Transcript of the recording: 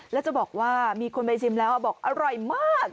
แล้วจะบอกว่ามีคนไปชิมแล้วบอกอร่อยมาก